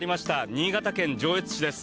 新潟県上越市です。